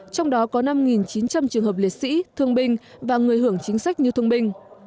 trong đó có năm chín trăm linh trường hợp liệt sĩ thương binh và người hưởng chính sách như thương binh